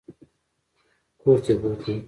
کورته بوتلم.